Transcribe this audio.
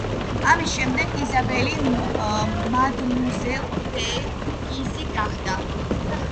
ამის შემდეგ იზაბელი მადმუაზელ დე გიზი გახდა.